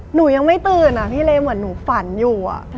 หนูยังไม่ตื่นอะพี่เลเหมือนหนูฝันอยู่